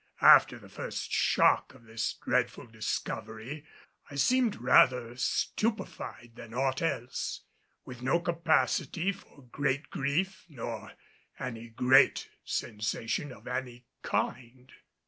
After the first shock of this dreadful discovery, I seemed rather stupefied than aught else, with no capacity for great grief nor any great sensation of any kind.